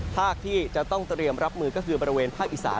ภาคที่จะต้องเตรียมรับมือก็คือบริเวณภาคอีสาน